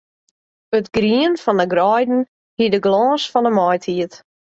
It grien fan 'e greiden hie de glâns fan 'e maitiid.